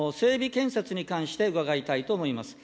建設に関して伺いたいと思います。